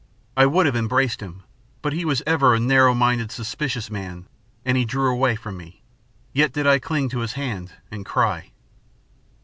I would have embraced him, but he was ever a narrow minded, suspicious man, and he drew away from me. Yet did I cling to his hand and cry."